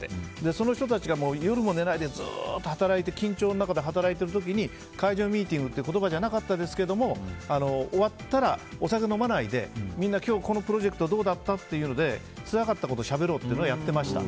その人たちが夜も寝ないでずっと働いて緊張の中で働いてる時に解除ミーティングという言葉じゃなかったですけど終わったら、お酒飲まないでみんな今日、このプロジェクトどうだった？ってつらかったことをしゃべろうというのをやってました。